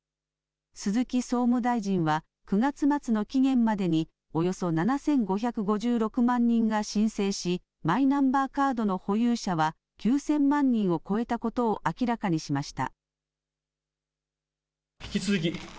鈴木総務大臣は９月末の期限までにおよそ７５５６万人が申請しマイナンバーカードの保有者は９０００万人を超えたことを明らかにしました。